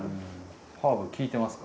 ハーブ効いてますか？